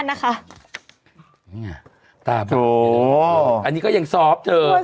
เป็นการกระตุ้นการไหลเวียนของเลือด